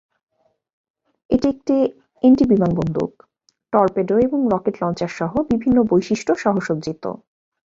এটি একটি এন্টি-বিমান বন্দুক, টর্পেডো এবং রকেট লঞ্চার সহ বিভিন্ন বৈশিষ্ট্য সহ সজ্জিত।